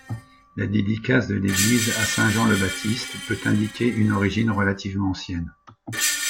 La dédicace de l'église à Jean le Baptiste peut indiquer une origine relativement ancienne.